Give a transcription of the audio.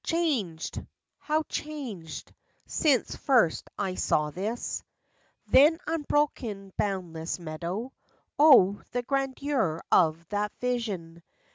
Changed! how changed, since first I saw this 5 ^ FACTS AND FANCIES. Then unbroken boundless meadow! O, the grandeur of that vision!